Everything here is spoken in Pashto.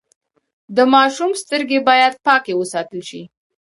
د ماشوم سترګې باید پاکې وساتل شي۔